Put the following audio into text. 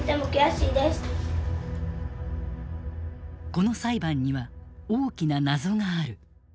この裁判には大きな謎がある。